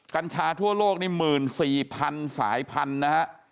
กัญชาทั่วโลกนี่๑๔๐๐๐สายพันธุ์นะฮะ